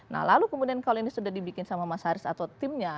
nah lalu kemudian kalau ini sudah dibikin sama mas haris atau timnya